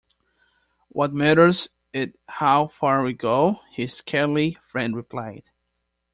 “What matters it how far we go?” his scaly friend replied.